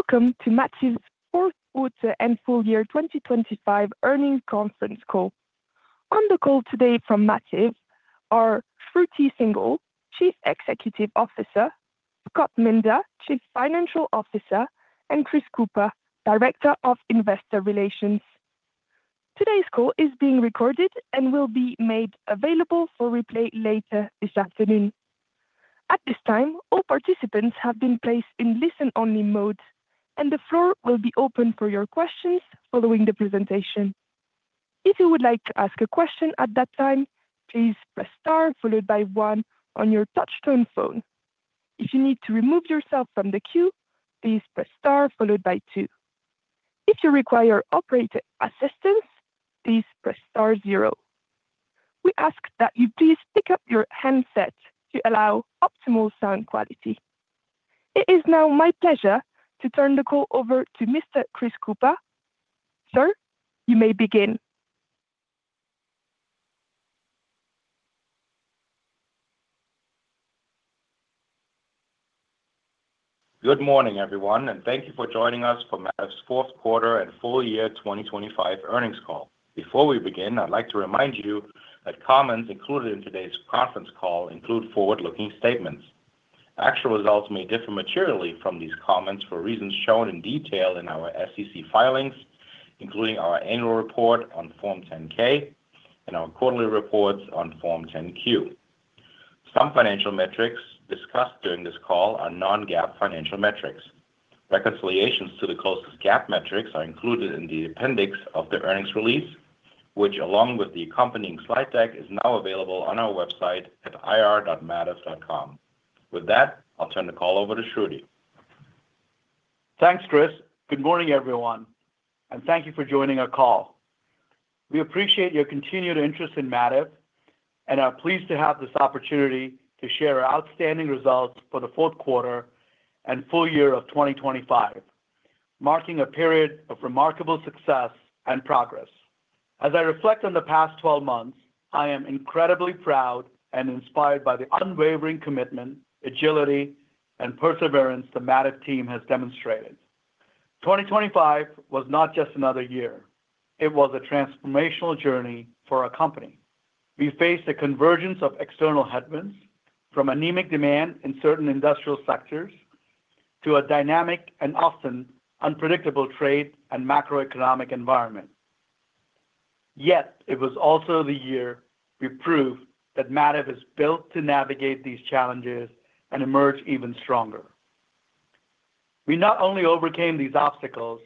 Welcome to Mativ's Fourth Quarter and Full Year 2025 Earnings conference call. On the call today from Mativ are Shruti Singhal, Chief Executive Officer; Scott Minder, Chief Financial Officer; and Chris Kuepper, Director of Investor Relations. Today's call is being recorded and will be made available for replay later this afternoon. At this time, all participants have been placed in listen-only mode, and the floor will be open for your questions following the presentation. If you would like to ask a question at that time, please press star followed by one on your touchtone phone. If you need to remove yourself from the queue, please press star followed by two. If you require operator assistance, please press star zero. We ask that you please pick up your handset to allow optimal sound quality. It is now my pleasure to turn the call over to Mr. Chris Kuepper. Sir, you may begin. Good morning, everyone, and thank you for joining us for Mativ's fourth quarter and full year 2025 earnings call. Before we begin, I'd like to remind you that comments included in today's conference call include forward-looking statements. Actual results may differ materially from these comments for reasons shown in detail in our SEC filings, including our annual report on Form 10-K and our quarterly reports on Form 10-Q. Some financial metrics discussed during this call are non-GAAP financial metrics. Reconciliations to the closest GAAP metrics are included in the appendix of the earnings release, which, along with the accompanying slide deck, is now available on our website at ir.mativ.com. With that, I'll turn the call over to Shruti. Thanks, Chris. Good morning, everyone, and thank you for joining our call. We appreciate your continued interest in Mativ and are pleased to have this opportunity to share our outstanding results for the fourth quarter and full year of 2025, marking a period of remarkable success and progress. As I reflect on the past twelve months, I am incredibly proud and inspired by the unwavering commitment, agility, and perseverance the Mativ team has demonstrated. 2025 was not just another year; it was a transformational journey for our company. We faced a convergence of external headwinds, from anemic demand in certain industrial sectors to a dynamic and often unpredictable trade and macroeconomic environment. Yet it was also the year we proved that Mativ is built to navigate these challenges and emerge even stronger. We not only overcame these obstacles,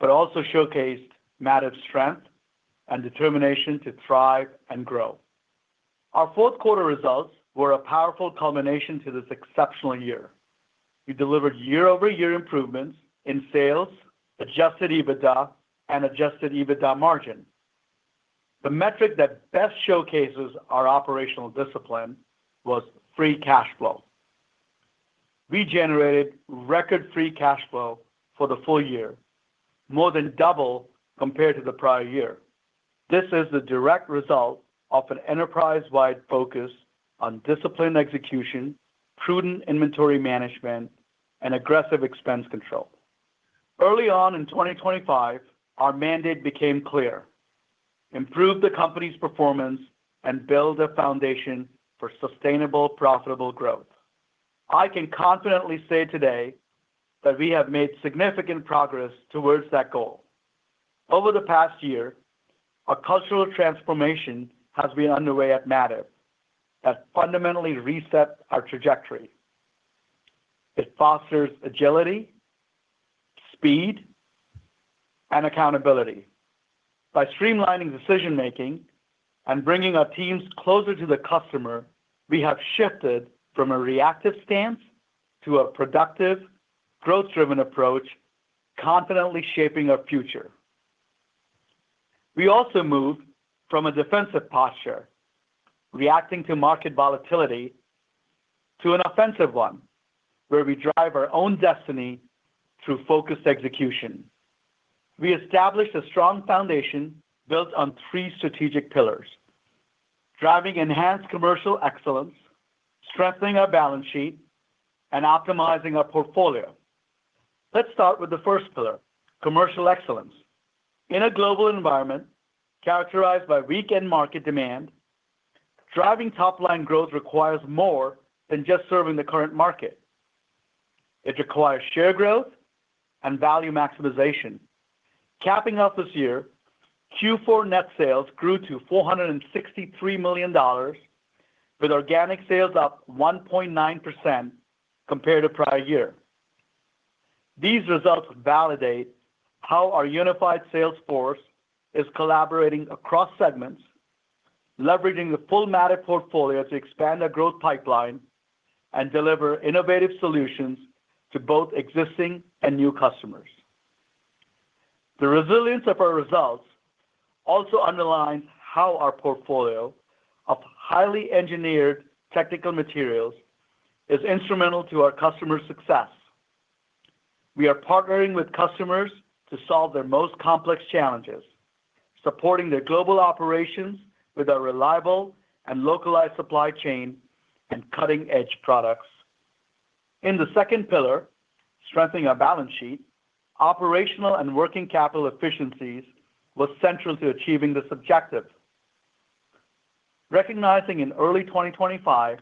but also showcased Mativ's strength and determination to thrive and grow. Our fourth quarter results were a powerful culmination to this exceptional year. We delivered year-over-year improvements in sales, Adjusted EBITDA, and Adjusted EBITDA margin. The metric that best showcases our operational discipline was free cash flow. We generated record free cash flow for the full year, more than double compared to the prior year. This is the direct result of an enterprise-wide focus on disciplined execution, prudent inventory management, and aggressive expense control. Early on in 2025, our mandate became clear: improve the company's performance and build a foundation for sustainable, profitable growth. I can confidently say today that we have made significant progress towards that goal. Over the past year, a cultural transformation has been underway at Mativ that fundamentally reset our trajectory. It fosters agility, speed, and accountability. By streamlining decision-making and bringing our teams closer to the customer, we have shifted from a reactive stance to a productive, growth-driven approach, confidently shaping our future. We also moved from a defensive posture, reacting to market volatility, to an offensive one, where we drive our own destiny through focused execution. We established a strong foundation built on three strategic pillars: driving enhanced commercial excellence, strengthening our balance sheet, and optimizing our portfolio. Let's start with the first pillar, commercial excellence. In a global environment characterized by weakened market demand, driving top-line growth requires more than just serving the current market. It requires share growth and value maximization. Capping off this year, Q4 net sales grew to $463 million, with organic sales up 1.9% compared to prior year. These results validate how our unified sales force is collaborating across segments, leveraging the full Mativ portfolio to expand our growth pipeline and deliver innovative solutions to both existing and new customers. The resilience of our results also underlines how our portfolio of highly engineered technical materials is instrumental to our customers' success. We are partnering with customers to solve their most complex challenges... Supporting their global operations with a reliable and localized supply chain and cutting-edge products. In the second pillar, strengthening our balance sheet, operational and working capital efficiencies was central to achieving this objective. Recognizing in early 2025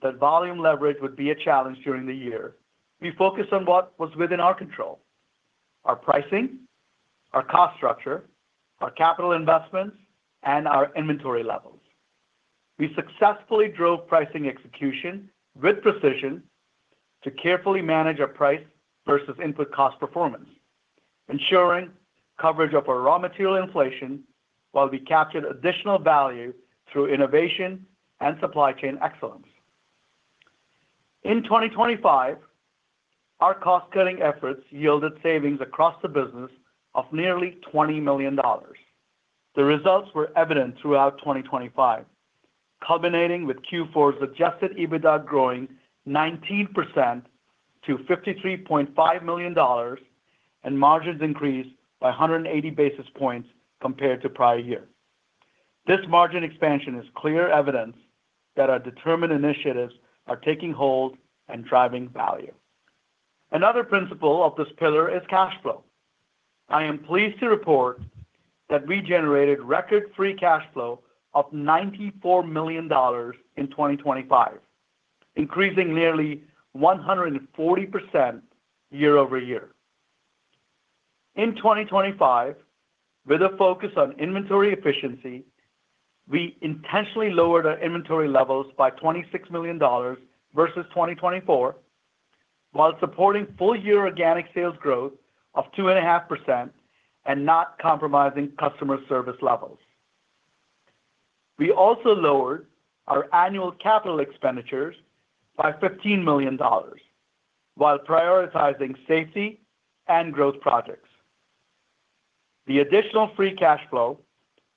that volume leverage would be a challenge during the year, we focused on what was within our control: our pricing, our cost structure, our capital investments, and our inventory levels. We successfully drove pricing execution with precision to carefully manage our price versus input cost performance, ensuring coverage of our raw material inflation while we captured additional value through innovation and supply chain excellence. In 2025, our cost-cutting efforts yielded savings across the business of nearly $20 million. The results were evident throughout 2025, culminating with Q4's Adjusted EBITDA growing 19% to $53.5 million, and margins increased by 180 basis points compared to prior year. This margin expansion is clear evidence that our determined initiatives are taking hold and driving value. Another principle of this cash flow. i am pleased to report that we generated record free cash flow of $94 million in 2025, increasing nearly 140% year-over-year. In 2025, with a focus on inventory efficiency, we intentionally lowered our inventory levels by $26 million versus 2024, while supporting full-year organic sales growth of 2.5% and not compromising customer service levels. We also lowered our annual capital expenditures by $15 million while prioritizing safety and growth projects. The additional free cash flow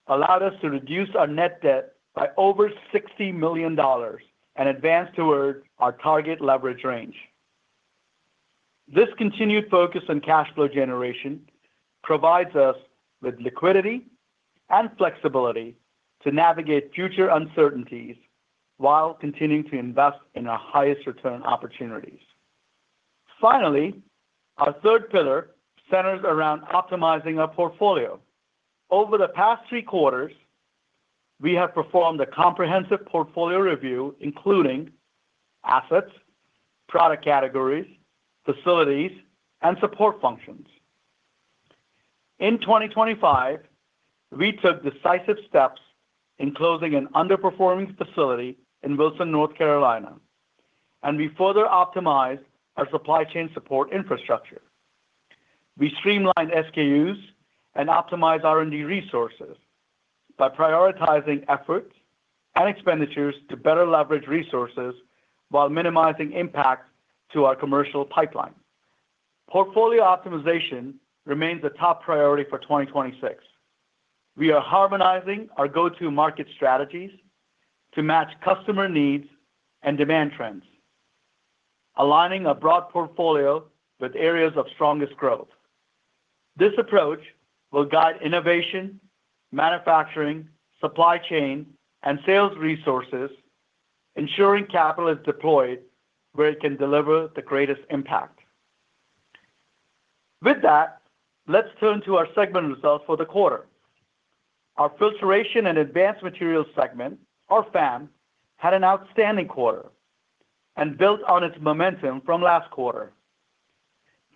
allowed us to reduce our net debt by over $60 million and advance toward our target leverage range. This continued focus on cash flow generation provides us with liquidity and flexibility to navigate future uncertainties while continuing to invest in our highest return opportunities. Finally, our third pillar centers around optimizing our portfolio. Over the past three quarters, we have performed a comprehensive portfolio review, including assets, product categories, facilities, and support functions. In 2025, we took decisive steps in closing an underperforming facility in Wilson, North Carolina, and we further optimized our supply chain support infrastructure. We streamlined SKUs and optimized R&D resources by prioritizing efforts and expenditures to better leverage resources while minimizing impact to our commercial pipeline. Portfolio optimization remains a top priority for 2026. We are harmonizing our go-to-market strategies to match customer needs and demand trends, aligning a broad portfolio with areas of strongest growth. This approach will guide innovation, manufacturing, supply chain, and sales resources, ensuring capital is deployed where it can deliver the greatest impact. With that, let's turn to our segment results for the quarter. Our Filtration and Advanced Materials segment, or FAM, had an outstanding quarter and built on its momentum from last quarter.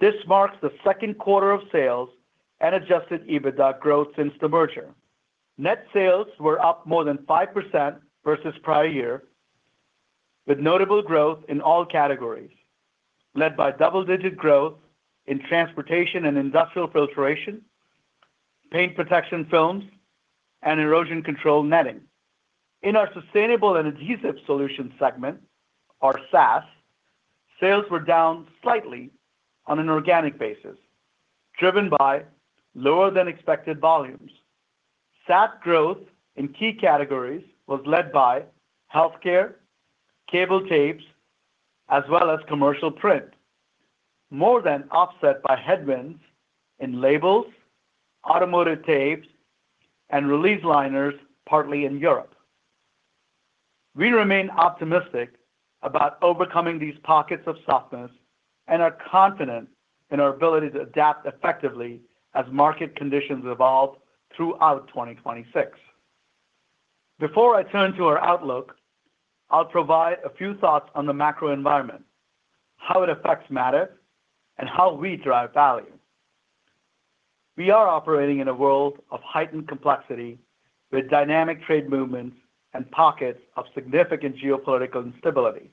This marks the second quarter of sales and adjusted EBITDA growth since the merger. Net sales were up more than 5% versus prior year, with notable growth in all categories, led by double-digit growth in transportation and industrial filtration, paint protection films, and erosion control netting. In our Sustainable & Adhesive Solutions segment, or SAS, sales were down slightly on an organic basis, driven by lower-than-expected volumes. SAS growth in key categories was led by healthcare, cable tapes, as well as commercial print, more than offset by headwinds in labels, automotive tapes, and release liners, partly in Europe. We remain optimistic about overcoming these pockets of softness and are confident in our ability to adapt effectively as market conditions evolve throughout 2026. Before I turn to our outlook, I'll provide a few thoughts on the macro environment, how it affects Mativ, and how we drive value. We are operating in a world of heightened complexity, with dynamic trade movements and pockets of significant geopolitical instability.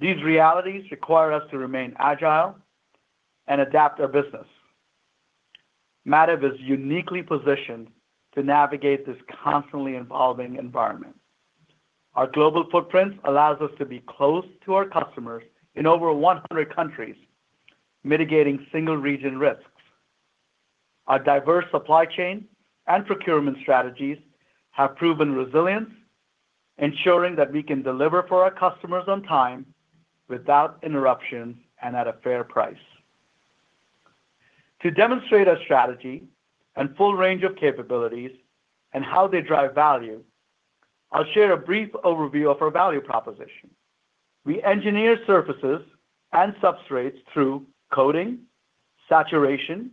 These realities require us to remain agile and adapt our business. Mativ is uniquely positioned to navigate this constantly evolving environment. Our global footprint allows us to be close to our customers in over 100 countries, mitigating single-region risks. Our diverse supply chain and procurement strategies have proven resilience, ensuring that we can deliver for our customers on time, without interruption, and at a fair price. To demonstrate our strategy and full range of capabilities and how they drive value, I'll share a brief overview of our value proposition. We engineer surfaces and substrates through coating, saturation,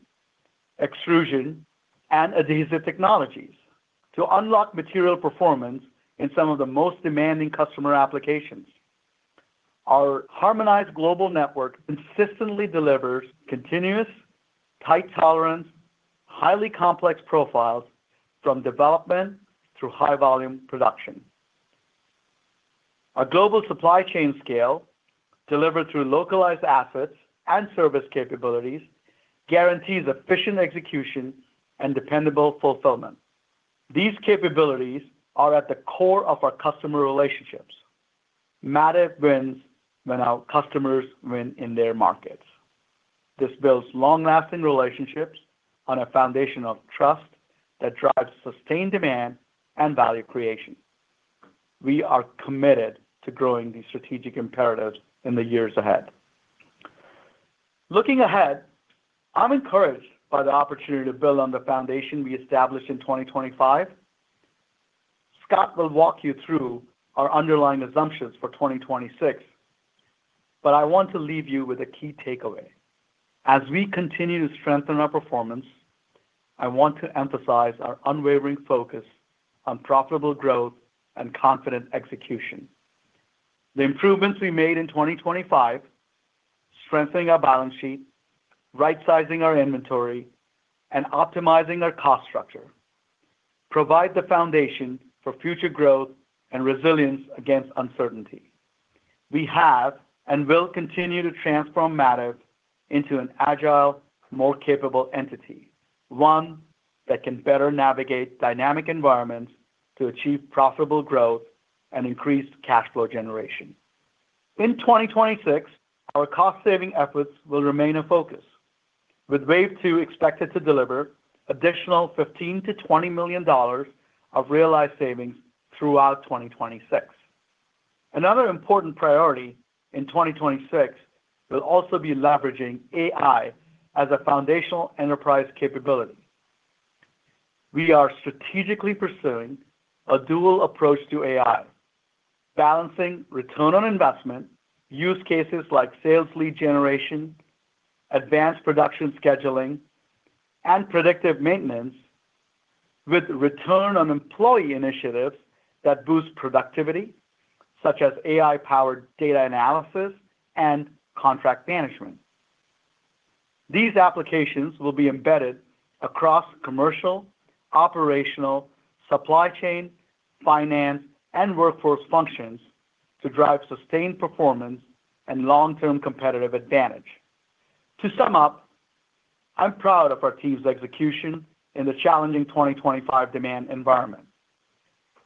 extrusion, and adhesive technologies to unlock material performance in some of the most demanding customer applications. Our harmonized global network consistently delivers continuous, tight tolerance, highly complex profiles from development through high volume production. Our global supply chain scale, delivered through localized assets and service capabilities, guarantees efficient execution and dependable fulfillment. These capabilities are at the core of our customer relationships. Mativ wins when our customers win in their markets. This builds long-lasting relationships on a foundation of trust that drives sustained demand and value creation. We are committed to growing these strategic imperatives in the years ahead. Looking ahead, I'm encouraged by the opportunity to build on the foundation we established in 2025. Scott will walk you through our underlying assumptions for 2026, but I want to leave you with a key takeaway. As we continue to strengthen our performance, I want to emphasize our unwavering focus on profitable growth and confident execution. The improvements we made in 2025, strengthening our balance sheet, right-sizing our inventory, and optimizing our cost structure, provide the foundation for future growth and resilience against uncertainty. We have and will continue to transform Mativ into an agile, more capable entity, one that can better navigate dynamic environments to achieve profitable growth and increased cash flow generation. In 2026, our cost-saving efforts will remain a focus, with Wave Two expected to deliver additional $15 million-$20 million of realized savings throughout 2026. Another important priority in 2026 will also be leveraging AI as a foundational enterprise capability. We are strategically pursuing a dual approach to AI, balancing return on investment, use cases like sales lead generation, advanced production scheduling, and predictive maintenance, with return on employee initiatives that boost productivity, such as AI-powered data analysis and contract management. These applications will be embedded across commercial, operational, supply chain, finance, and workforce functions to drive sustained performance and long-term competitive advantage. To sum up, I'm proud of our team's execution in the challenging 2025 demand environment.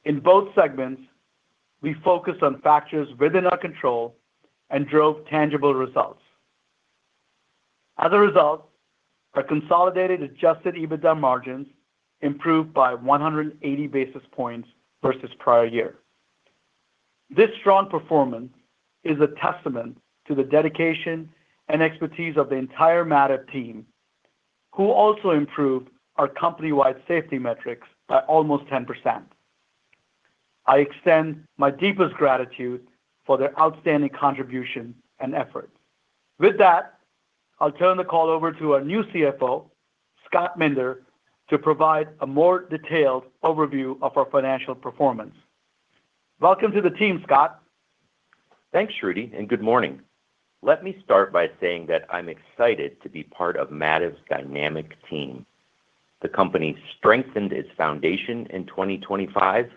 In both segments, we focused on factors within our control and drove tangible results. As a result, our consolidated adjusted EBITDA margins improved by 180 basis points versus prior year. This strong performance is a testament to the dedication and expertise of the entire Mativ team, who also improved our company-wide safety metrics by almost 10%. I extend my deepest gratitude for their outstanding contribution and effort. With that, I'll turn the call over to our new CFO, Scott Minder, to provide a more detailed overview of our financial performance. Welcome to the team, Scott. Thanks, Shruti, and good morning. Let me start by saying that I'm excited to be part of Mativ's dynamic team. The company strengthened its foundation in 2025,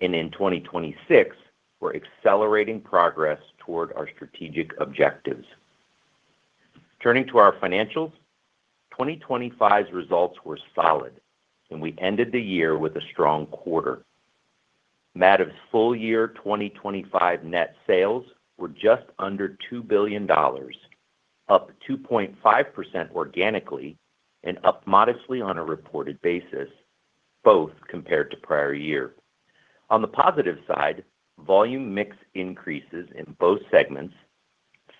and in 2026, we're accelerating progress toward our strategic objectives. Turning to our financials, 2025's results were solid, and we ended the year with a strong quarter. Mativ's full year 2025 net sales were just under $2 billion, up 2.5% organically and up modestly on a reported basis, both compared to prior year. On the positive side, volume mix increases in both segments,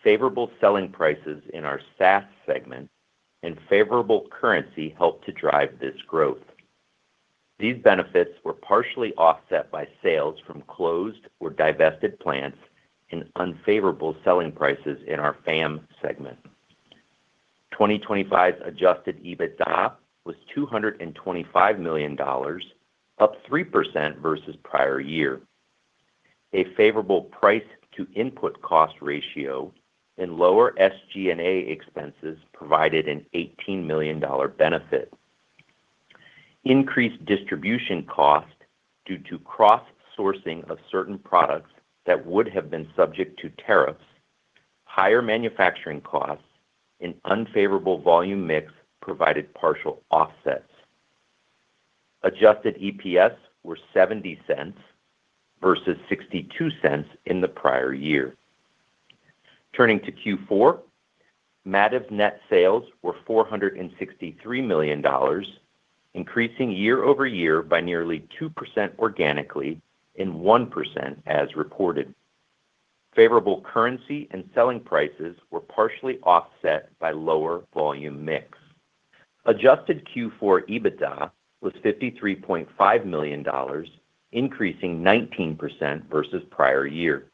favorable selling prices in our SAS segment, and favorable currency helped to drive this growth. These benefits were partially offset by sales from closed or divested plants and unfavorable selling prices in our FAM segment. 2025's Adjusted EBITDA was $225 million, up 3% versus prior year. A favorable price to input cost ratio and lower SG&A expenses provided an $18 million benefit. Increased distribution cost due to cross-sourcing of certain products that would have been subject to tariffs, higher manufacturing costs, and unfavorable volume mix provided partial offsets. Adjusted EPS were $0.70 versus $0.62 in the prior year... Turning to Q4, Mativ net sales were $463 million, increasing year-over-year by nearly 2% organically and 1% as reported. Favorable currency and selling prices were partially offset by lower volume mix. Adjusted Q4 EBITDA was $53.5 million, increasing 19% versus prior year.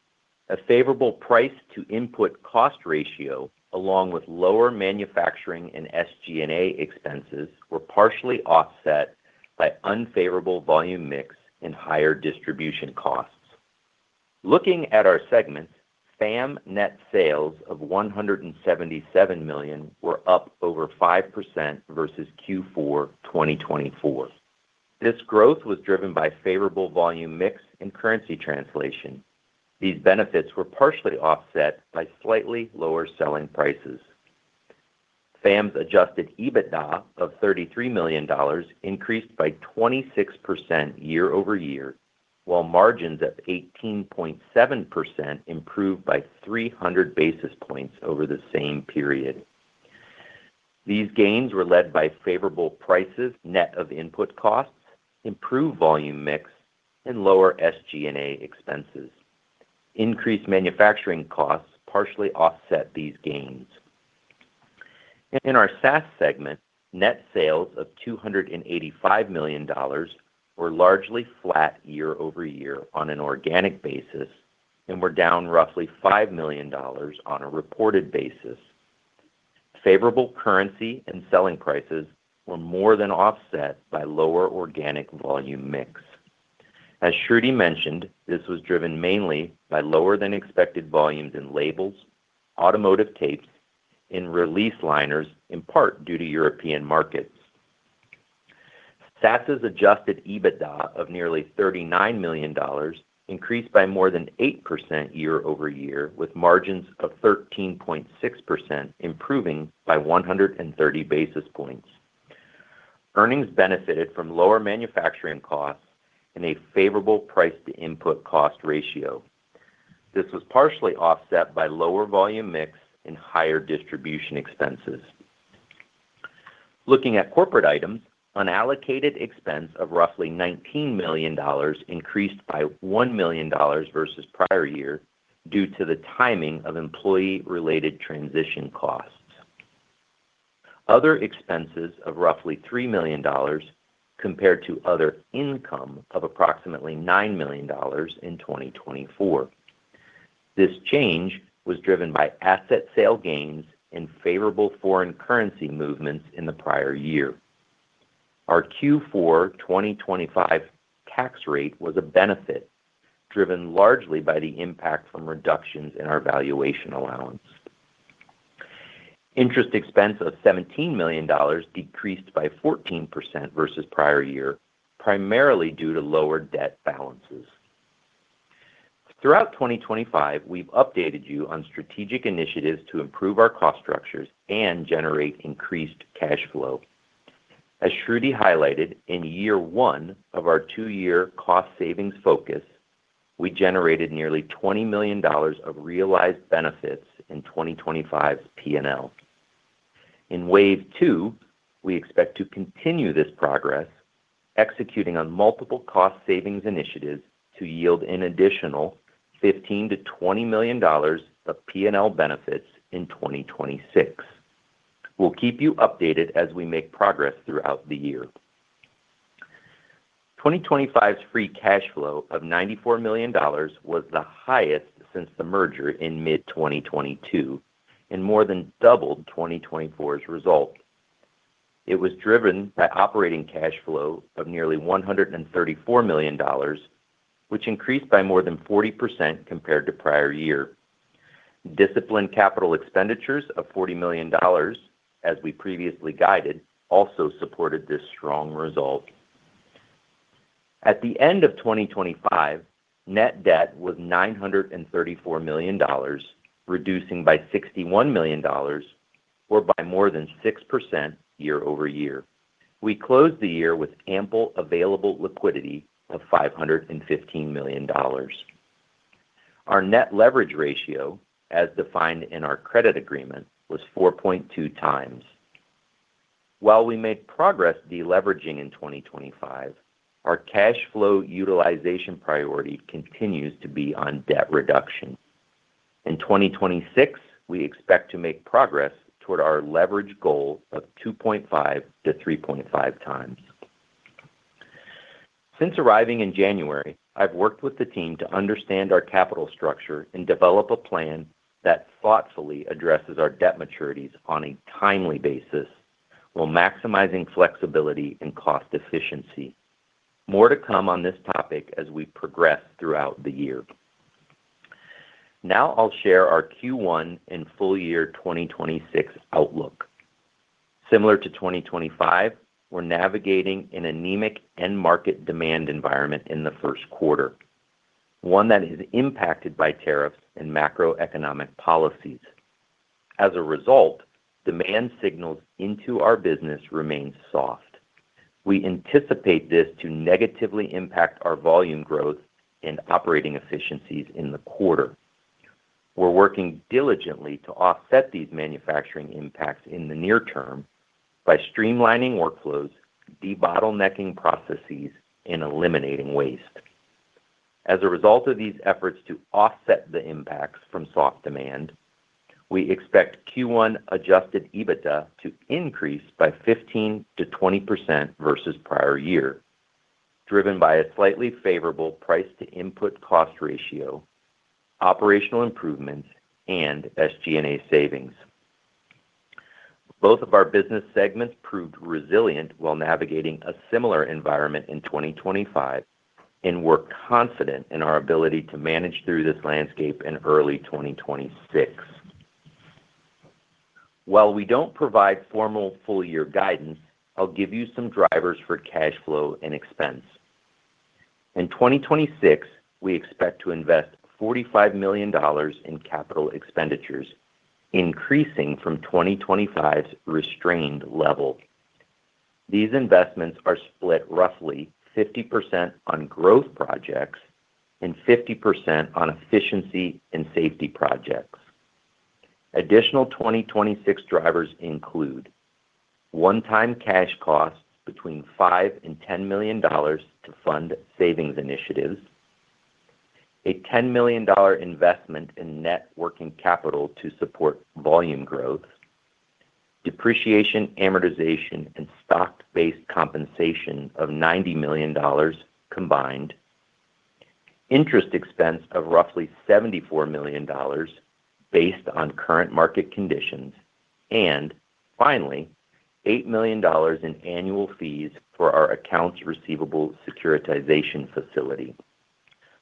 A favorable price to input cost ratio, along with lower manufacturing and SG&A expenses, were partially offset by unfavorable volume mix and higher distribution costs. Looking at our segments, FAM net sales of $177 million were up over 5% versus Q4 2024. This growth was driven by favorable volume mix and currency translation. These benefits were partially offset by slightly lower selling prices. FAM's adjusted EBITDA of $33 million increased by 26% year-over-year, while margins at 18.7% improved by 300 basis points over the same period. These gains were led by favorable prices net of input costs, improved volume mix, and lower SG&A expenses. Increased manufacturing costs partially offset these gains. In our SAS segment, net sales of $285 million were largely flat year-over-year on an organic basis and were down roughly $5 million on a reported basis. Favorable currency and selling prices were more than offset by lower organic volume mix. As Shruti mentioned, this was driven mainly by lower than expected volumes in labels, automotive tapes, and release liners, in part due to European markets. SAS's Adjusted EBITDA of nearly $39 million increased by more than 8% year-over-year, with margins of 13.6% improving by 130 basis points. Earnings benefited from lower manufacturing costs and a favorable price to input cost ratio. This was partially offset by lower volume mix and higher distribution expenses. Looking at corporate items, unallocated expense of roughly $19 million increased by $1 million versus prior year due to the timing of employee-related transition costs. Other expenses of roughly $3 million compared to other income of approximately $9 million in 2024. This change was driven by asset sale gains and favorable foreign currency movements in the prior year. Our Q4 2025 tax rate was a benefit, driven largely by the impact from reductions in our valuation allowance. Interest expense of $17 million decreased by 14% versus prior year, primarily due to lower debt balances. Throughout 2025, we've updated you on strategic initiatives to improve our cost structures and generate increased cash flow. As Shruti highlighted, in year one of our two-year cost savings focus, we generated nearly $20 million of realized benefits in 2025's P&L. In wave two, we expect to continue this progress, executing on multiple cost savings initiatives to yield an additional $15 million-$20 million of P&L benefits in 2026. We'll keep you updated as we make progress throughout the year. 2025 free cash flow of $94 million was the highest since the merger in mid-2022, and more than doubled 2024's result. It was driven by operating cash flow of nearly $134 million, which increased by more than 40% compared to prior year. Disciplined capital expenditures of $40 million, as we previously guided, also supported this strong result. At the end of 2025, net debt was $934 million, reducing by $61 million, or by more than 6% year-over-year. We closed the year with ample available liquidity of $515 million. Our net leverage ratio, as defined in our credit agreement, was 4.2 times. While we made progress deleveraging in 2025, our cash flow utilization priority continues to be on debt reduction. In 2026, we expect to make progress toward our leverage goal of 2.5-3.5 times. Since arriving in January, I've worked with the team to understand our capital structure and develop a plan that thoughtfully addresses our debt maturities on a timely basis, while maximizing flexibility and cost efficiency. More to come on this topic as we progress throughout the year. Now I'll share our Q1 and full year 2026 outlook. Similar to 2025, we're navigating an anemic end market demand environment in the first quarter, one that is impacted by tariffs and macroeconomic policies.... As a result, demand signals into our business remain soft. We anticipate this to negatively impact our volume growth and operating efficiencies in the quarter. We're working diligently to offset these manufacturing impacts in the near term by streamlining workflows, de-bottlenecking processes, and eliminating waste. As a result of these efforts to offset the impacts from soft demand, we expect Q1 adjusted EBITDA to increase by 15%-20% versus prior year, driven by a slightly favorable price to input cost ratio, operational improvements, and SG&A savings. Both of our business segments proved resilient while navigating a similar environment in 2025, and we're confident in our ability to manage through this landscape in early 2026. While we don't provide formal full year guidance, I'll give you some drivers for cash flow and expense. In 2026, we expect to invest $45 million in capital expenditures, increasing from 2025's restrained level. These investments are split roughly 50% on growth projects and 50% on efficiency and safety projects. Additional 2026 drivers include: one-time cash costs between $5 and $10 million to fund savings initiatives, a $10 million investment in net working capital to support volume growth, depreciation, amortization, and stock-based compensation of $90 million combined, interest expense of roughly $74 million based on current market conditions, and finally, $8 million in annual fees for our accounts receivable securitization facility.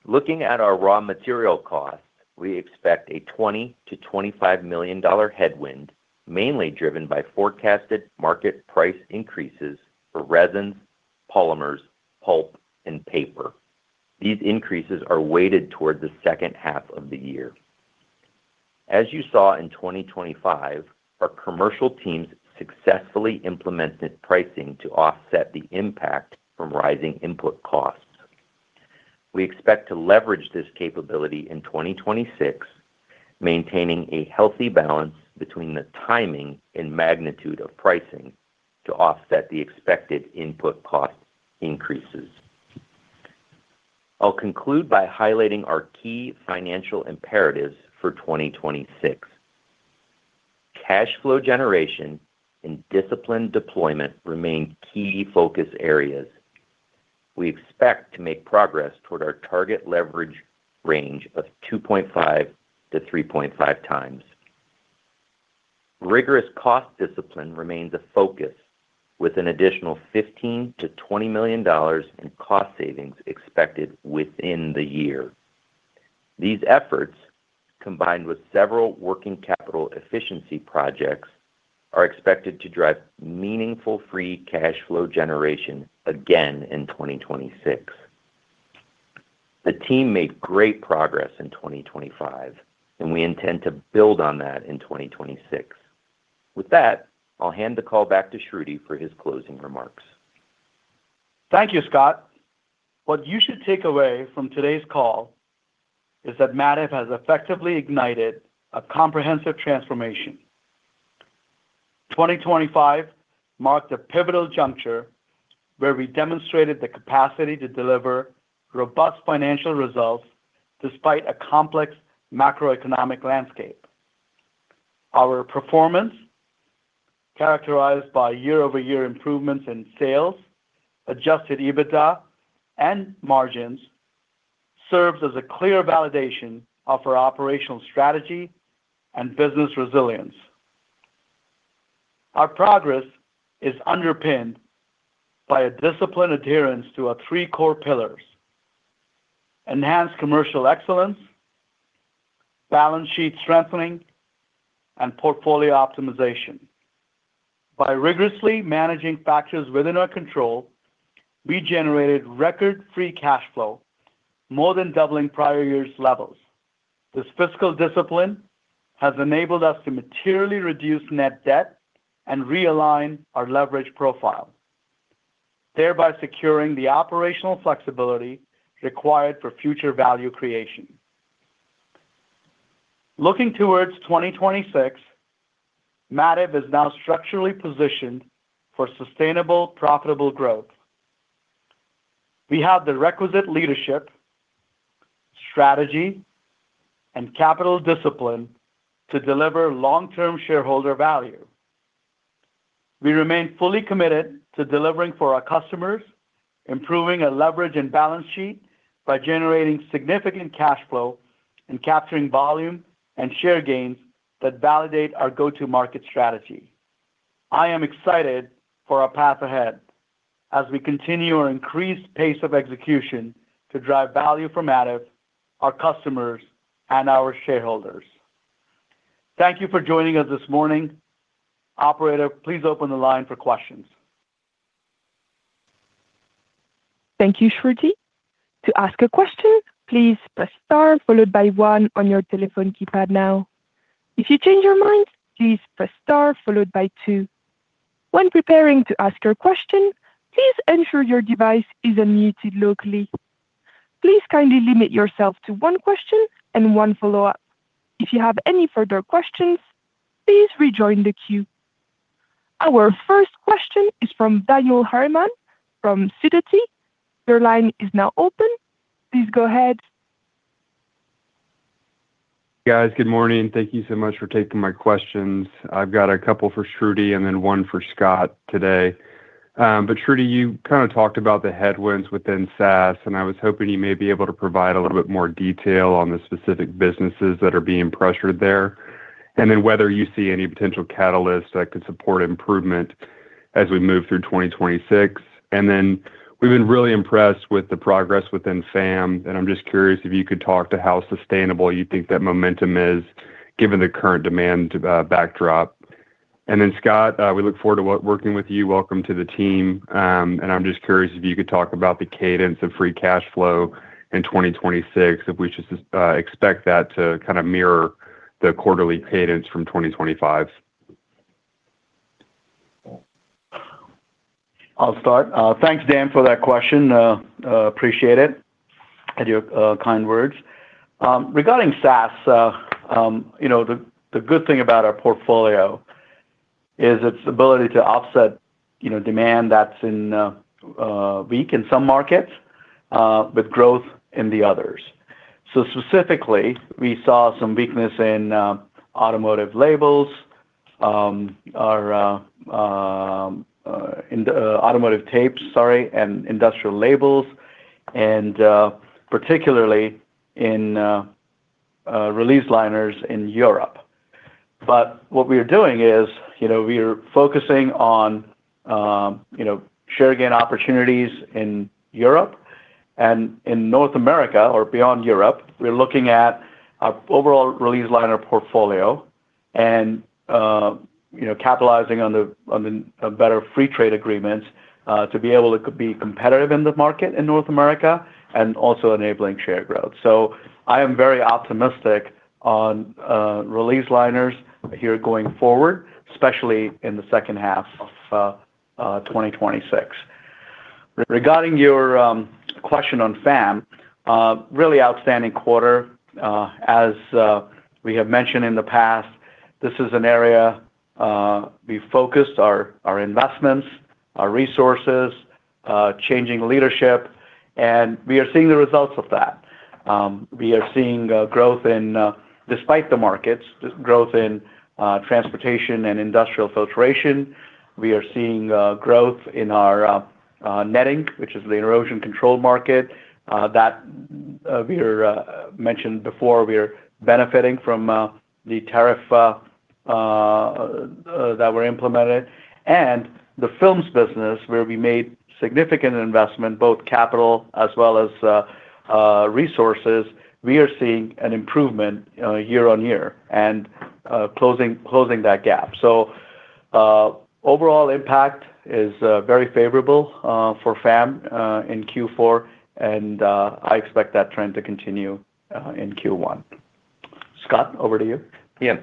Looking at our raw material costs, we expect a $20-$25 million headwind, mainly driven by forecasted market price increases for resins, polymers, pulp, and paper. These increases are weighted towards the second half of the year. As you saw in 2025, our commercial teams successfully implemented pricing to offset the impact from rising input costs. We expect to leverage this capability in 2026, maintaining a healthy balance between the timing and magnitude of pricing to offset the expected input cost increases. I'll conclude by highlighting our key financial imperatives for 2026. Cash flow generation and disciplined deployment remain key focus areas. We expect to make progress toward our target leverage range of 2.5-3.5 times. Rigorous cost discipline remains a focus, with an additional $15 million-$20 million in cost savings expected within the year. These efforts, combined with several working capital are expected to drive meaningful free cash flow generation again in 2026. The team made great progress in 2025, and we intend to build on that in 2026. With that, I'll hand the call back to Shruti for his closing remarks. Thank you, Scott. What you should take away from today's call is that Mativ has effectively ignited a comprehensive transformation. 2025 marked a pivotal juncture where we demonstrated the capacity to deliver robust financial results despite a complex macroeconomic landscape. Our performance, characterized by year-over-year improvements in sales, Adjusted EBITDA and margins, serves as a clear validation of our operational strategy and business resilience. Our progress is underpinned by a disciplined adherence to our three core pillars: enhanced commercial excellence, balance sheet strengthening, and portfolio optimization. By rigorously managing factors within our control, we generated record free cash flow, more than doubling prior years' levels. This fiscal discipline has enabled us to materially reduce net debt and realign our leverage profile, thereby securing the operational flexibility required for future value creation. Looking towards 2026, Mativ is now structurally positioned for sustainable, profitable growth. We have the requisite leadership, strategy, and capital discipline to deliver long-term shareholder value. We remain fully committed to delivering for our customers, improving our leverage and balance sheet by generating significant cash flow and capturing volume and share gains that validate our go-to-market strategy. I am excited for our path ahead as we continue our increased pace of execution to drive value from Mativ, our customers, and our shareholders. Thank you for joining us this morning. Operator, please open the line for questions.... Thank you, Shruti. To ask a question, please press star followed by one on your telephone keypad now. If you change your mind, please press star followed by two. When preparing to ask your question, please ensure your device is unmuted locally. Please kindly limit yourself to one question and one follow-up. If you have any further questions, please rejoin the queue. Our first question is from Daniel Harriman from Sidoti. Your line is now open. Please go ahead. Guys, good morning. Thank you so much for taking my questions. I've got a couple for Shruti and then one for Scott today. But Shruti, you kind of talked about the headwinds within SAS, and I was hoping you may be able to provide a little bit more detail on the specific businesses that are being pressured there, and then whether you see any potential catalysts that could support improvement as we move through 2026? And then we've been really impressed with the progress within FAM, and I'm just curious if you could talk to how sustainable you think that momentum is given the current demand backdrop? And then, Scott, we look forward to working with you. Welcome to the team. I'm just curious if you could talk about the free cash flow in 2026, if we should expect that to kind of mirror the quarterly cadence from 2025. I'll start. Thanks, Dan, for that question. Appreciate it, and your kind words. Regarding SAS, you know, the good thing about our portfolio is its ability to offset, you know, demand that's weak in some markets with growth in the others. So specifically, we saw some weakness in automotive labels, or in the automotive tapes, sorry, and industrial labels, and particularly in release liners in Europe. But what we are doing is, you know, we are focusing on share gain opportunities in Europe and in North America or beyond Europe. We're looking at our overall release liner portfolio and, you know, capitalizing on the better free trade agreements to be able to be competitive in the market in North America and also enabling shared growth. So I am very optimistic on release liners here going forward, especially in the second half of 2026. Regarding your question on FAM, really outstanding quarter. As we have mentioned in the past, this is an area we focused our investments, our resources, changing leadership, and we are seeing the results of that. We are seeing growth in, despite the markets, growth in transportation and industrial filtration. We are seeing growth in our netting, which is the erosion control market, that we're mentioned before. We are benefiting from the tariff that were implemented and the films business, where we made significant investment, both capital as well as resources. We are seeing an improvement year on year and closing that gap. So, overall impact is very favorable for FAM in Q4, and I expect that trend to continue in Q1. Scott, over to you. Yeah.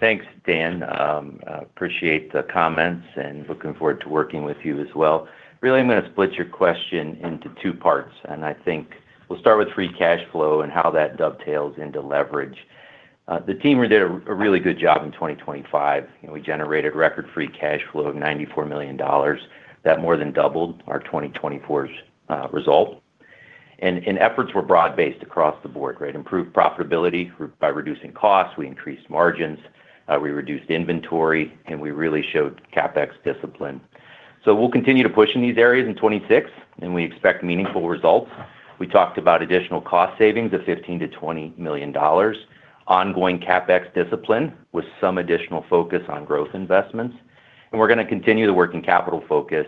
Thanks, Dan. I appreciate the comments and looking forward to working with you as well. Really, I'm gonna split your question into two parts, and I think we'll free cash flow and how that dovetails into leverage. The team really did a really good job in 2025, we generated rapid free cash flow of $94 million. That more than doubled our 2024's result. Efforts were broad-based across the board, right? Improved profitability by reducing costs, we increased margins, we reduced inventory, and we really showed CapEx discipline. So we'll continue to push in these areas in 2026, and we expect meaningful results. We talked about additional cost savings of $15 million-$20 million, ongoing CapEx discipline with some additional focus on growth investments, and we're gonna continue the working capital focus.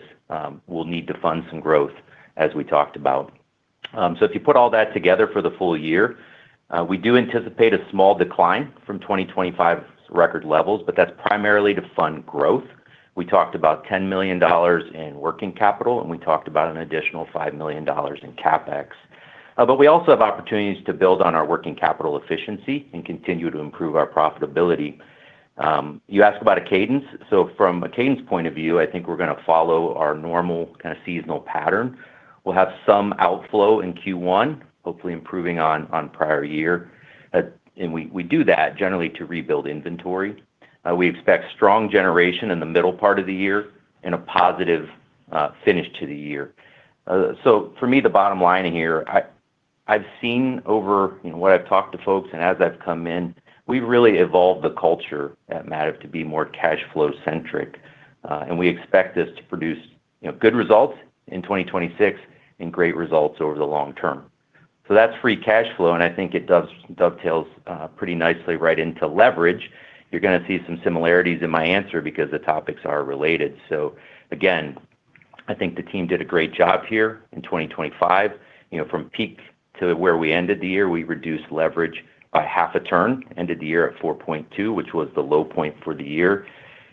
We'll need to fund some growth, as we talked about. So if you put all that together for the full year, we do anticipate a small decline from 2025's record levels, but that's primarily to fund growth. We talked about $10 million in working capital, and we talked about an additional $5 million in CapEx. But we also have opportunities to build on our working capital efficiency and continue to improve our profitability. You asked about a cadence. So from a cadence point of view, I think we're gonna follow our normal kind of seasonal pattern. We'll have some outflow in Q1, hopefully improving on prior year. And we do that generally to rebuild inventory. We expect strong generation in the middle part of the year and a positive finish to the year. So for me, the bottom line here, I, I've seen over, you know, what I've talked to folks and as I've come in, we've really evolved the culture at Mativ to be more cash flow centric, and we expect this to produce, you know, good results in 2026 and great results over the long term. free cash flow, and i think it dovetails pretty nicely right into leverage. You're gonna see some similarities in my answer because the topics are related. So again, I think the team did a great job here in 2025... you know, from peak to where we ended the year, we reduced leverage by half a turn, ended the year at 4.2, which was the low point for the year.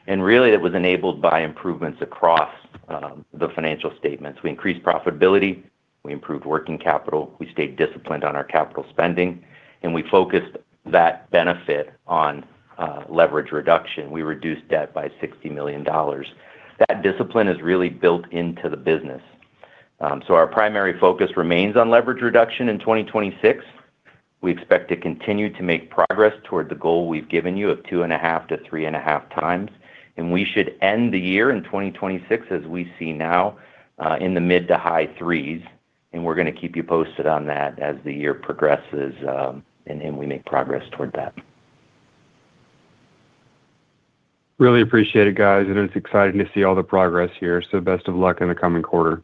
And really, it was enabled by improvements across the financial statements. We increased profitability, we improved working capital, we stayed disciplined on our capital spending, and we focused that benefit on leverage reduction. We reduced debt by $60 million. That discipline is really built into the business. So our primary focus remains on leverage reduction in 2026. We expect to continue to make progress toward the goal we've given you of 2.5-3.5 times, and we should end the year in 2026, as we see now, in the mid to high threes, and we're gonna keep you posted on that as the year progresses, and we make progress toward that. Really appreciate it, guys, and it's exciting to see all the progress here. Best of luck in the coming quarter.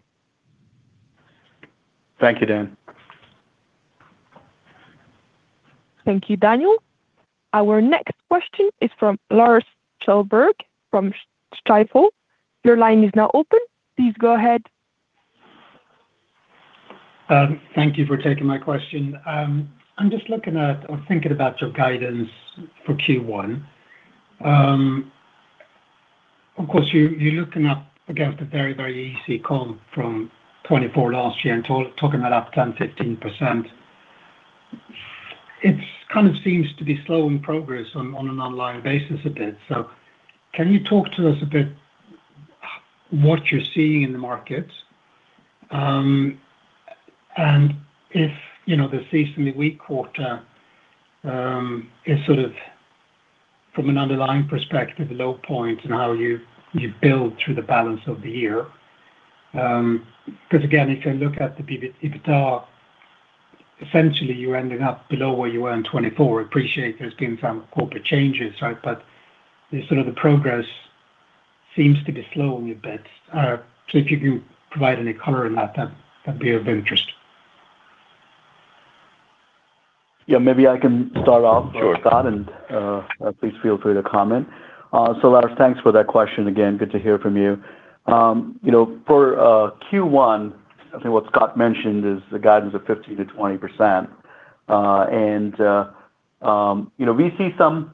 Thank you, Dan. Thank you, Daniel. Our next question is from Lars Kjellberg, from Stifel. Your line is now open. Please go ahead. Thank you for taking my question. I'm just looking at or thinking about your guidance for Q1. Of course, you're looking up against a very, very easy call from 2024 last year and talking about up 10%-15%. It kind of seems to be slowing progress on an online basis a bit. So can you talk to us a bit what you're seeing in the markets, and if, you know, the seasonally weak quarter is sort of from an underlying perspective, a low point, and how you build through the balance of the year? Because again, if you look at the EBITDA, essentially, you're ending up below where you were in 2024. I appreciate there's been some corporate changes, right? But the sort of the progress seems to be slowing a bit. So if you could provide any color on that, that'd be of interest. Yeah, maybe I can start off- Sure. Scott, and please feel free to comment. So Lars, thanks for that question again. Good to hear from you. You know, for Q1, I think what Scott mentioned is the guidance of 15%-20%. You know, we see some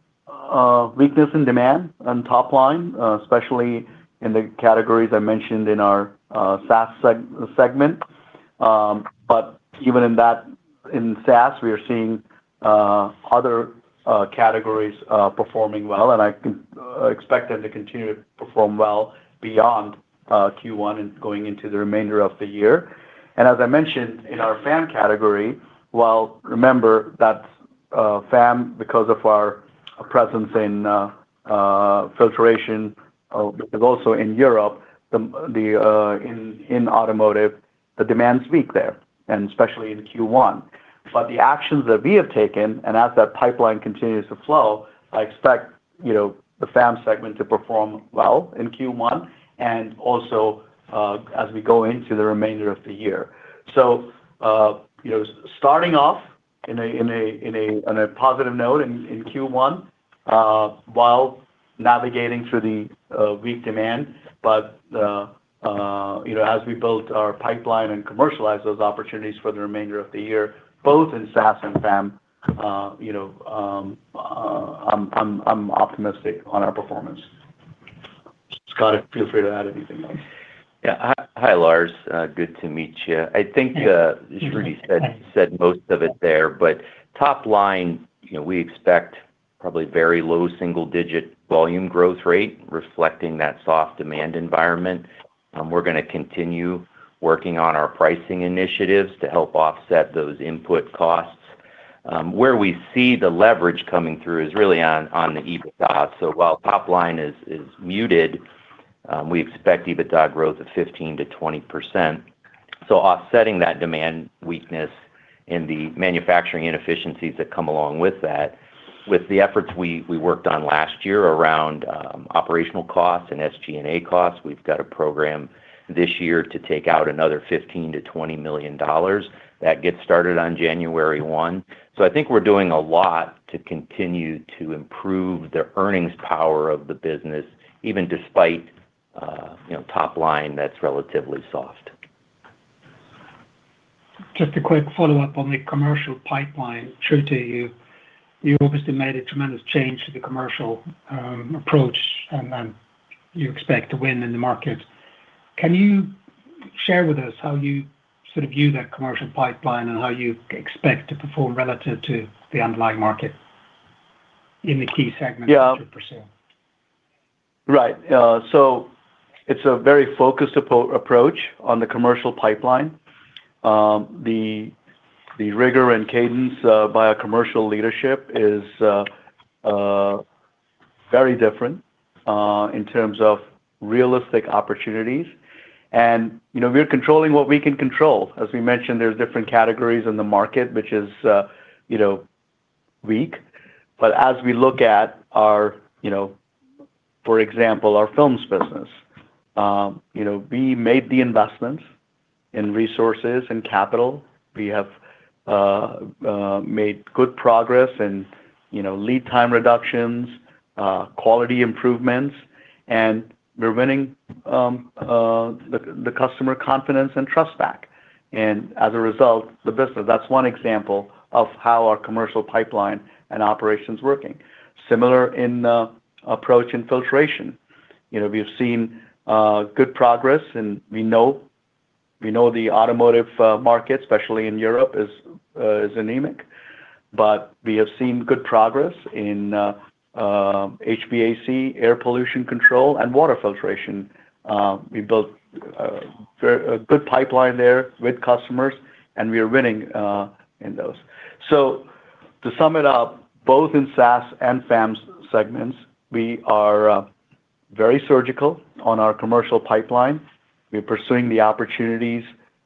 weakness in demand on top line, especially in the categories I mentioned in our SAS segment. But even in that, in SAS, we are seeing other categories performing well, and I can expect them to continue to perform well beyond Q1 and going into the remainder of the year. And as I mentioned, in our FAM category, while remember that FAM, because of our presence in filtration, is also in Europe, in automotive, the demand is weak there, and especially in Q1. But the actions that we have taken, and as that pipeline continues to flow, I expect, you know, the FAM segment to perform well in Q1 and also as we go into the remainder of the year. So, you know, starting off on a positive note in Q1 while navigating through the weak demand, but you know, as we build our pipeline and commercialize those opportunities for the remainder of the year, both in SAS and FAM, you know, I'm optimistic on our performance. Scott, feel free to add anything else. Yeah. Hi, Lars. Good to meet you. Hi. I think, Shruti said most of it there, but top line, you know, we expect probably very low single-digit volume growth rate reflecting that soft demand environment. We're gonna continue working on our pricing initiatives to help offset those input costs. Where we see the leverage coming through is really on the EBITDA. So while top line is muted, we expect EBITDA growth of 15%-20%. So offsetting that demand weakness and the manufacturing inefficiencies that come along with that, with the efforts we worked on last year around operational costs and SG&A costs, we've got a program this year to take out another $15 million-$20 million. That gets started on January 1. So I think we're doing a lot to continue to improve the earnings power of the business, even despite, you know, top line that's relatively soft. Just a quick follow-up on the commercial pipeline. Shruti, you, you obviously made a tremendous change to the commercial approach, and then you expect to win in the market. Can you share with us how you sort of view that commercial pipeline and how you expect to perform relative to the underlying market in the key segments? Yeah -you pursue? Right. So it's a very focused approach on the commercial pipeline. The rigor and cadence by our commercial leadership is very different in terms of realistic opportunities. And, you know, we're controlling what we can control. As we mentioned, there's different categories in the market, which is, you know, weak. But as we look at our, you know, for example, our films business, you know, we made the investments in resources and capital. We have made good progress in, you know, lead time reductions, quality improvements, and we're winning the customer confidence and trust back. And as a result, the business. That's one example of how our commercial pipeline and operations working. Similar in the approach in filtration. You know, we have seen good progress, and we know the automotive market, especially in Europe, is anemic. But we have seen good progress in HVAC, air pollution control, and water filtration. We built a very good pipeline there with customers, and we are winning in those. So to sum it up, both in SAS and FAM segments, we are very surgical on our commercial pipeline. We're pursuing the opportunities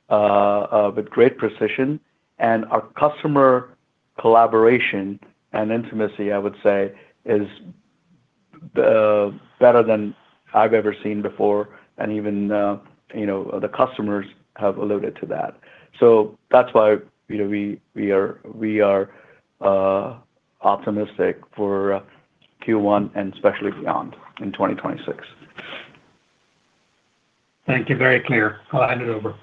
with great precision, and our customer collaboration and intimacy, I would say, is the better than I've ever seen before, and even you know, the customers have alluded to that. So that's why you know, we are optimistic for Q1 and especially beyond, in 2026. Thank you. Very clear. I'll hand it over.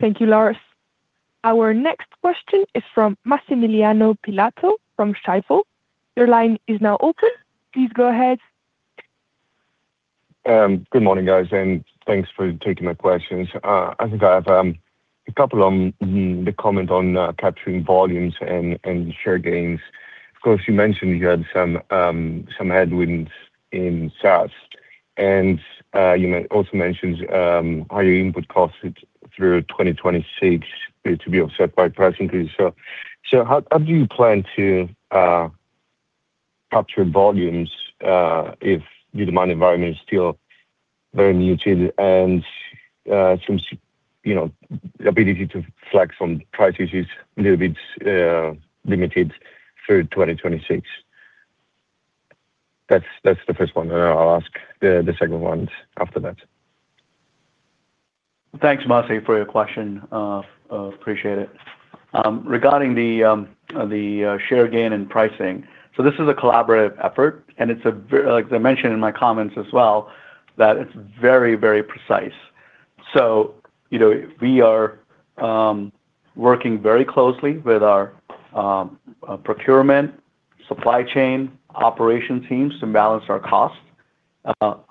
Thank you, Lars. Our next question is from Massimiliano Pilato from Jefferies. Your line is now open, please go ahead. Good morning, guys, and thanks for taking my questions. I think I have a couple on the comment on capturing volumes and share gains. Of course, you mentioned you had some headwinds in SAS, and you also mentioned higher input costs through 2026 to be offset by price increase. So how do you plan to capture volumes if the demand environment is still very muted and some, you know, ability to flex on price is a little bit limited through 2026? That's the first one, and I'll ask the second one after that. Thanks, Massi, for your question. Appreciate it. Regarding the share gain and pricing, so this is a collaborative effort, and it's like I mentioned in my comments as well, that it's very, very precise. So, you know, we are working very closely with our procurement, supply chain, operation teams to balance our costs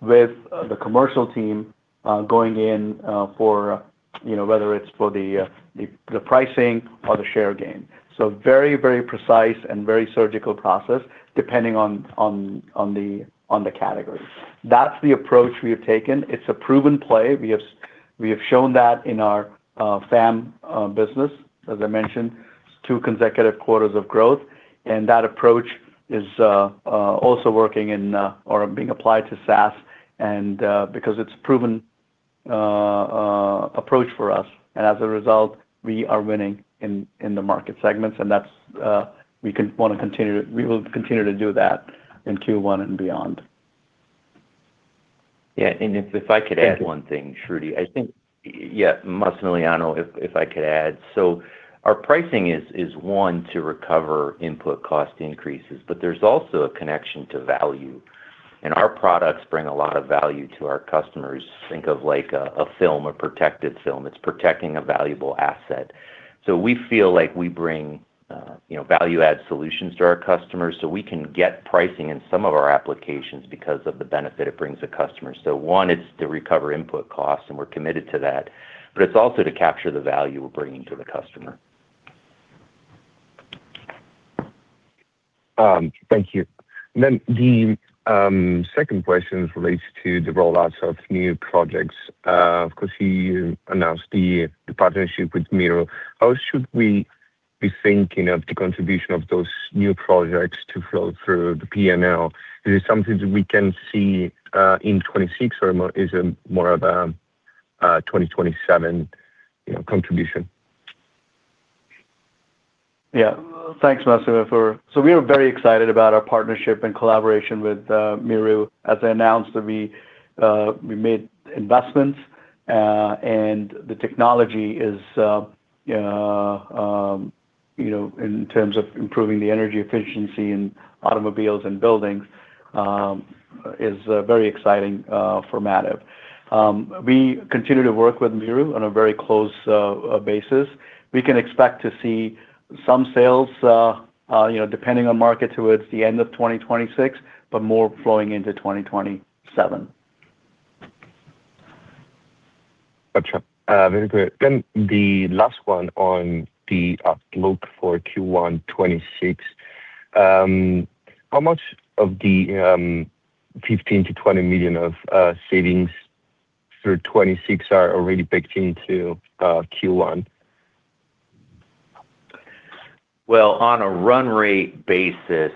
with the commercial team going in for, you know, whether it's for the pricing or the share gain. So very, very precise and very surgical process, depending on the category. That's the approach we have taken. It's a proven play. We have shown that in our FAM business. As I mentioned, two consecutive quarters of growth, and that approach is also working in or being applied to SAS, and because it's proven approach for us, and as a result, we are winning in the market segments, and that's we want to continue. We will continue to do that in Q1 and beyond. Yeah, and if I could add one thing, Shruti. I think, yeah, Massimiliano, if I could add. So our pricing is one, to recover input cost increases, but there's also a connection to value, and our products bring a lot of value to our customers. Think of like a film, a protected film. It's protecting a valuable asset. So we feel like we bring, you know, value-add solutions to our customers, so we can get pricing in some of our applications because of the benefit it brings the customer. So one, it's to recover input costs, and we're committed to that, but it's also to capture the value we're bringing to the customer. Thank you. Then the second question relates to the rollouts of new projects. Of course, you announced the partnership with Miru. How should we be thinking of the contribution of those new projects to flow through the P&L? Is it something that we can see in 2026, or is it more of a 2027, you know, contribution? Yeah. Thanks, Massi, for... So we are very excited about our partnership and collaboration with Miru. As I announced that we made investments, and the technology is, you know, in terms of improving the energy efficiency in automobiles and buildings, is very exciting for Mativ. We continue to work with Miru on a very close basis. We can expect to see some sales, you know, depending on market, towards the end of 2026, but more flowing into 2027. Gotcha. Very great. Then the last one on the outlook for Q1 2026. How much of the $15 million-$20 million of savings through 2026 are already baked into Q1? Well, on a run rate basis,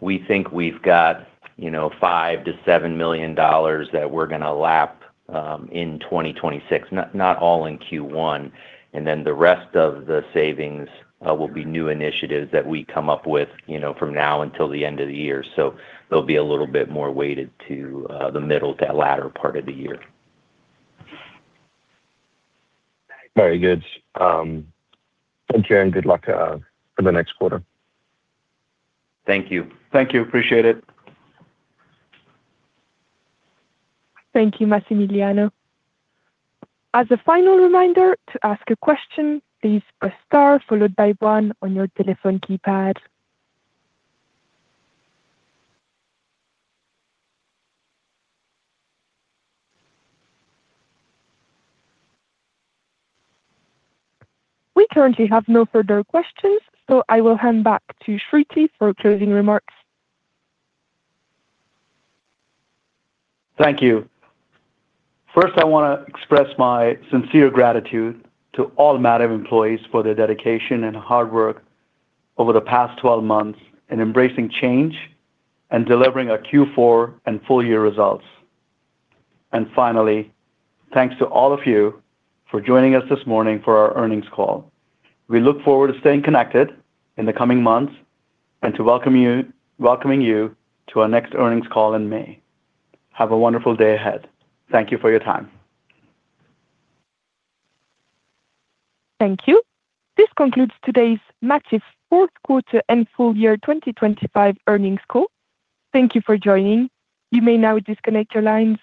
we think we've got, you know, $5-$7 million that we're gonna lap in 2026, not, not all in Q1. And then the rest of the savings will be new initiatives that we come up with, you know, from now until the end of the year. So they'll be a little bit more weighted to the middle to latter part of the year. Very good. Thank you, and good luck for the next quarter. Thank you. Thank you. Appreciate it. Thank you, Massimiliano. As a final reminder to ask a question, please press Star, followed by one on your telephone keypad. We currently have no further questions, so I will hand back to Shruti for closing remarks. Thank you. First, I want to express my sincere gratitude to all Mativ employees for their dedication and hard work over the past twelve months in embracing change and delivering our Q4 and full year results. Finally, thanks to all of you for joining us this morning for our earnings call. We look forward to staying connected in the coming months and to welcome you—welcoming you to our next earnings call in May. Have a wonderful day ahead. Thank you for your time. Thank you. This concludes today's Mativ fourth quarter and full year 2025 earnings call. Thank you for joining. You may now disconnect your lines.